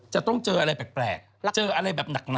จะต้องเจออะไรแปลกเจออะไรแบบหนัก